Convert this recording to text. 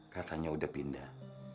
katanya udah pindah